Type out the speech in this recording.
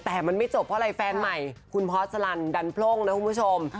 แต่มันไม่จบเพราะอะไรแฟนใหม่คุณพอสลันดันโพร่งนะคุณผู้ชม